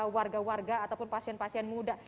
warga warga ataupun pasien pasien muda